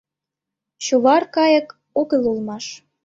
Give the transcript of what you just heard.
Чувар кайык огыл улмаш